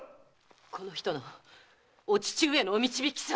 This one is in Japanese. この人のお父上のお導きさ！